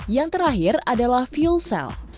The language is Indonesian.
yang terakhir adalah fuel cell